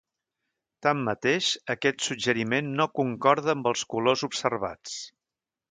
Tanmateix, aquest suggeriment no concorda amb els colors observats.